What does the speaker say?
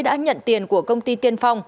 đã nhận tiền của công ty tiên phong